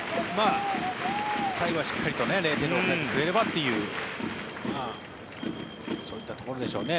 最後はしっかり０点に抑えてくれればというそういったところでしょうね。